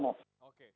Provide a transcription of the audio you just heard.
nah ini udah bener